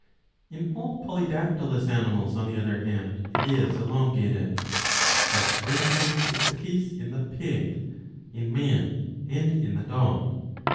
"" In all polydactylous animals on the other hand it is elongated. Such for instance, is the case in the pig,^ in man, and in the dog.